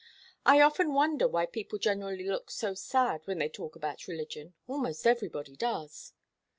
"I often wonder why people generally look so sad when they talk about religion. Almost everybody does."